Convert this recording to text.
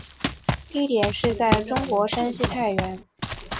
地点是在中国山西太原。